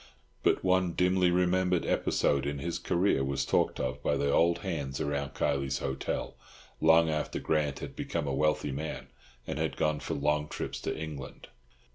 But one dimly remembered episode in his career was talked of by the old hands around Kiley's Hotel, long after Grant had become a wealthy man, and had gone for long trips to England.